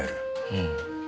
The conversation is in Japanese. うん。